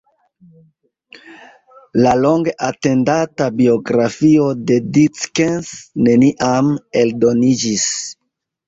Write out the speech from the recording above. La longe atendata biografio de Dickens neniam eldoniĝis.